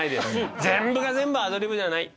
全部が全部アドリブじゃない。